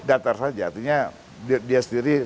datar saja artinya dia sendiri